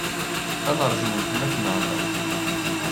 Ad neṛju weltma-tneɣ da.